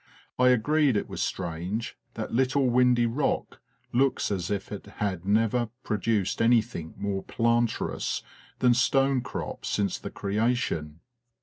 I agreed it was strange that little windy rock looks as if it had never pro duced anything more planturous than stonecrop since the Creation.